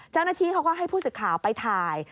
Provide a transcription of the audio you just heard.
เจ้าหน้าที่เขาก็ให้ผู้สื่อข่าวไปถ่าย